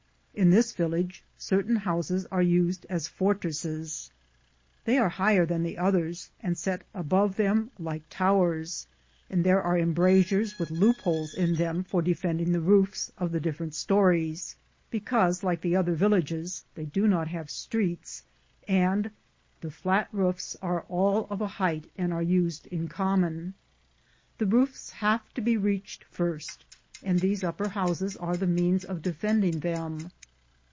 In this village certain houses are used as fortresses; they are higher than the others and set up above them like towers, and there are embrasures and loopholes in them for defending the roofs of the different stories, because, like the other villages, they do not have streets, and the fiat roofs are all of a height and are used in common. The roofs have to be reached first, and these upper houses are the means of de fending them.